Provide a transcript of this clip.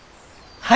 はい。